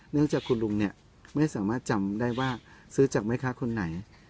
เนื่องจากคุณลุงเนี่ยไม่สามารถจำได้ว่าซื้อจากแม่ค้าคนไหน